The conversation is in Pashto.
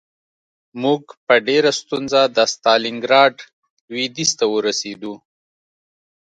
موږ په ډېره ستونزه د ستالینګراډ لویدیځ ته ورسېدو